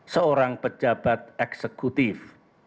seorang pejabat eksekutif